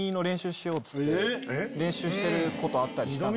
練習してることあったりしたんで。